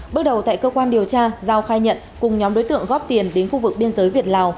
bước đầu tại cơ quan điều tra giao khai nhận cùng nhóm đối tượng góp tiền đến khu vực biên giới việt lào